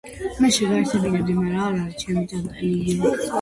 მხედრულში იგი ერთიან, მომრგვალებულ კონტურს იძენს.